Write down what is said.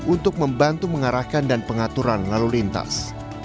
untuk membantu mengarahkan dan pengaturan lalu lintas